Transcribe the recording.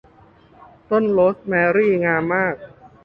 ต้นโรสแมรี่งามมาก